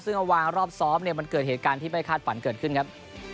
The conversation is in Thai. ซึ่งเอาวางรอบซ้อมเนี่ยมันเกิดเหตุการณ์ที่ไม่คาดฝันเกิดขึ้นครับ